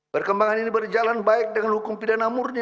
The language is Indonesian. perkembangan ini berjalan baik dengan hukum pidana murni